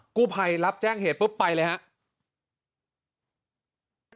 กู้ภัยรับแจ้งเหตุไปเลย